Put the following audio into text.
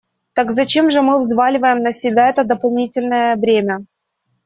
Так зачем же мы взваливаем на себя это дополнительное бремя?